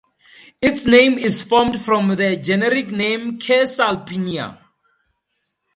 Its name is formed from the generic name "Caesalpinia".